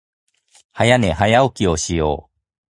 早寝、早起きをしよう。